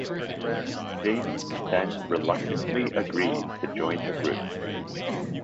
Damian then reluctantly agrees to join the group.